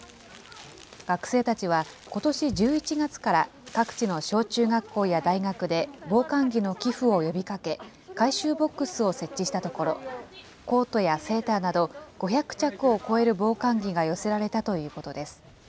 学生たちはことし１１月から各地の小中学校や大学で防寒の寄付を呼びかけ、回収ボックスを設置したところ、コートやセーターなど５００着を超える防寒着が寄せられたということです。